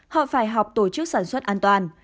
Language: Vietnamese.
họ phải học tổ chức sản xuất an toàn